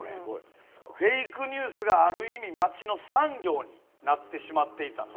フェイクニュースがある意味街の産業になってしまっていたと。